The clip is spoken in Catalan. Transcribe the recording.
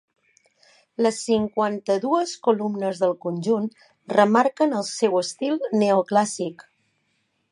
Les cinquanta-dues columnes del conjunt remarquen el seu estil neoclàssic.